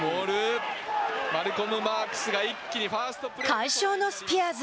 快勝のスピアーズ。